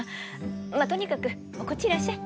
まあとにかくこっちいらっしゃい！